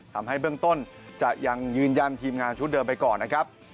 ทำให้เบื้องต้นจะยังยืนยันทีมงานชุดเดิมไปก่อนนะครับ